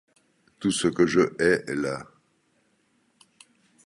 Tout ce que je hais est là !